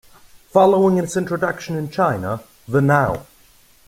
Following its introduction in China, the Now!